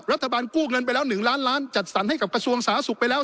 กู้เงินไปแล้ว๑ล้านล้านจัดสรรให้กับกระทรวงสาธารณสุขไปแล้ว